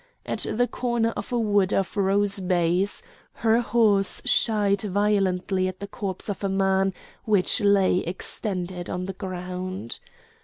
At the corner of a wood of rose bays her horse shied violently at the corpse of a man which lay extended on the ground.